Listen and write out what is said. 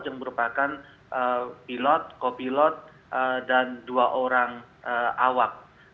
yang merupakan pilot kopilot dan dua orang awak